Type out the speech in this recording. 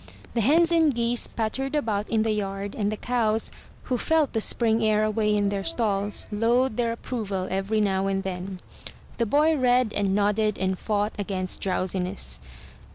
The hens and geese pattered about in the yard; and the cows, who felt the spring air away in their stalls, lowed their approval every now and then. The boy read and nodded and fought against drowsiness.